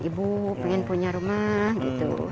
ibu pengen punya rumah gitu